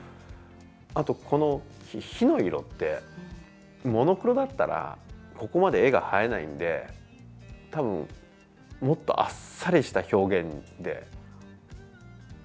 あと、この火の色ってモノクロだったらここまで絵が映えないんで多分、もっとあっさりした表現で終わらすと思います。